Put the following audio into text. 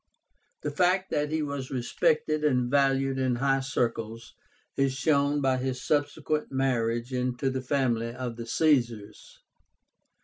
The fact that he was respected and valued in high circles is shown by his subsequent marriage into the family of the Caesars.